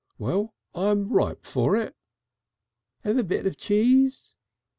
"Well, I'm ripe for it." "Have a bit of cheese?"